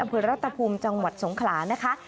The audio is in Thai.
อาหารรัฐธพุมจังหวัดสงครานะคะ